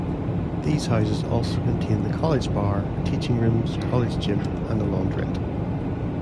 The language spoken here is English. These houses also contain the college bar, teaching rooms, college gym, and a laundrette.